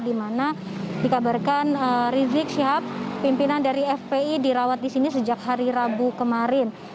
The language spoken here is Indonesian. di mana dikabarkan rizik syihab pimpinan dari fpi dirawat di sini sejak hari rabu kemarin